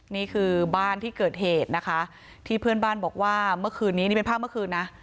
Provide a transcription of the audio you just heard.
นี่คือบ้านที่เกิดเหตุนะคะที่เพื่อนบ้านบอกว่าเมื่อคืนนี้นี่เป็นภาพเมื่อคืนนะ